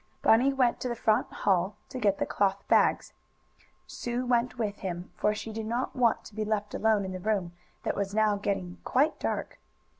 Bunny went to the front hall to get the cloth bags. Sue went with him, for she did not want to be left alone in the room that was now getting quite dark.